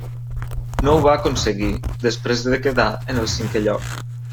No ho va aconseguir, després de quedar en el cinquè lloc.